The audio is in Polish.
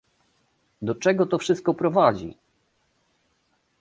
do czego to wszystko prowadzi?